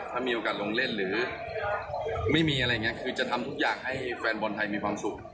ถ้ามีโอกาสลงเล่นหรือไม่มีอะไรอย่างนี้คือจะทำทุกอย่างให้แฟนบอลไทยมีความสุข